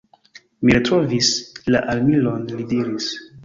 Mi retrovis la armilon, li diris.